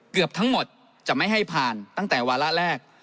เกือบทั้งหมดจะไม่ให้ผ่านตั้งแต่วาระแรก